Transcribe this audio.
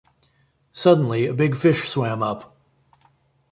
Suddenly, a big fish swam up.